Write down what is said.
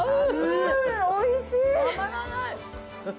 おいしい。